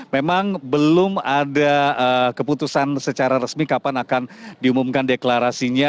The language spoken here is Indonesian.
memang belum ada keputusan secara resmi kapan akan diumumkan deklarasinya